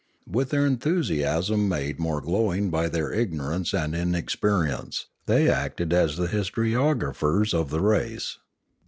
With their enthusi asm made more glowing by their ignorance and in experience, they acted as the historiographers of the race.